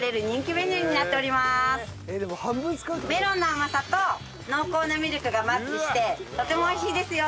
メロンの甘さと濃厚なミルクがマッチしてとても美味しいですよ！